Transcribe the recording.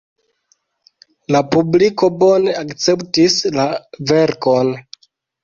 La publiko bone akceptis la verkon.